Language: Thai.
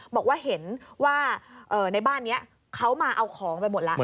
บอกว่าเห็นว่าในบ้านนี้เขามาเอาของไปหมดแล้ว